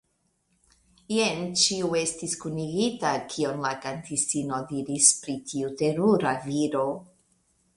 jen ĉio estis kunigita, kion la kantistino diris pri tiu terura viro.